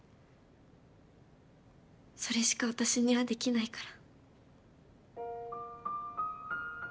それしか私にはできないから。